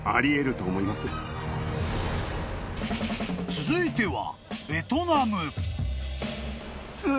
［続いては］